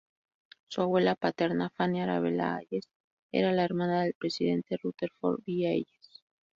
Su abuela paterna, Fanny Arabella Hayes, era la hermana del Presidente Rutherford B. Hayes.